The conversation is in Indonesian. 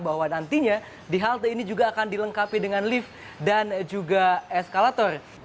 bahwa nantinya di halte ini juga akan dilengkapi dengan lift dan juga eskalator